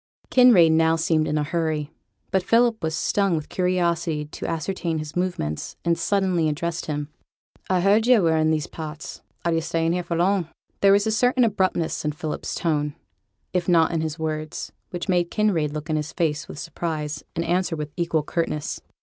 Kinraid now seemed in a hurry; but Philip was stung with curiosity to ascertain his movements, and suddenly addressed him: 'I heard yo' were i' these parts. Are you for staying here long?' There was a certain abruptness in Philip's tone, if not in his words, which made Kinraid look in his face with surprise, and answer with equal curtness.